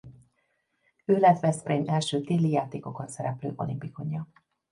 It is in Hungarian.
Ő lett Veszprém első téli játékokon szereplő olimpikonja.